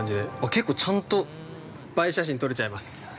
◆結構ちゃんと◆映え写真撮れちゃいます。